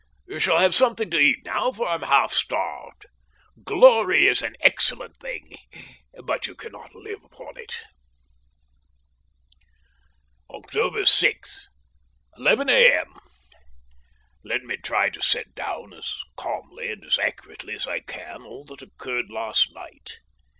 Shall have something to eat now, for I am half starved. Glory is an excellent thing, but you cannot live upon it. October 6, 11 A.M. Let me try to set down as calmly and as accurately as I can all that occurred last night.